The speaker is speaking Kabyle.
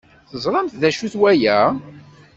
Teẓramt d acu-t waya?